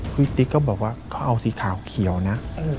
ติ๊กก็บอกว่าเขาเอาสีขาวเขียวนะ